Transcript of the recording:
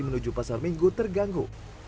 menuju pasar minggu terganggu